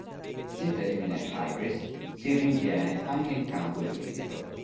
Il termine "hybris" si rinviene anche in campo giuridico.